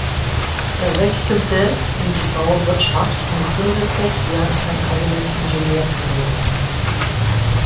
Er wechselte in die Bauwirtschaft und gründete hier sein eigenes Ingenieurbüro.